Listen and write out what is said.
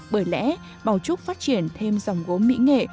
bởi lẽ bảo trúc phát triển thêm dòng gốm mỹ nghệ